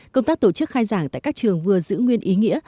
công tác tổ chức khai giảng tại các trường vừa giữ nguyên ý nghĩa